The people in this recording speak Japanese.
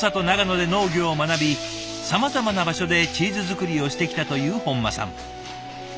長野で農業を学びさまざまな場所でチーズづくりをしてきたという本間さん。